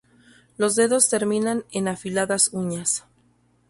Los dedos terminan en afiladas uñas.